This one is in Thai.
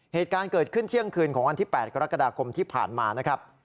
เหตุการณ์เกิดขึ้นเที่ยงคืนของวันที่๘กรกฎาคมที่ผ่านมานะครับ